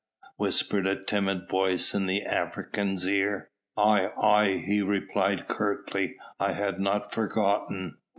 whispered a timid voice in the African's ear. "Aye, aye!" he replied curtly, "I had not forgotten."